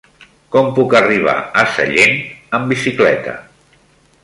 Com puc arribar a Sallent amb bicicleta?